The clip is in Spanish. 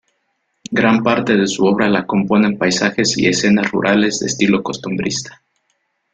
Gran parte de su obra la componen paisajes y escenas rurales de estilo costumbrista.